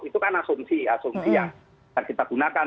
itu kan asumsi asumsi yang kita gunakan